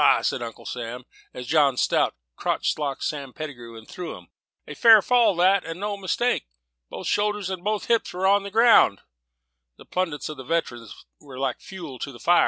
said Uncle Sam, as John Strout crotch locked Sam Pettigrew, and threw him; "a fair fall that, and no mistake. Both shoulders and both hips on the ground." The plaudits of the veterans were like fuel to the fire.